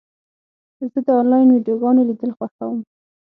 زه د انلاین ویډیوګانو لیدل خوښوم.